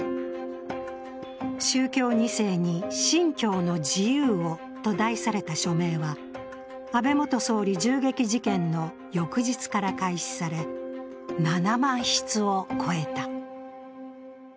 「宗教２世に信教の自由を」と題された署名は安倍元総理銃撃事件の翌日から開始され、７万筆を超えた。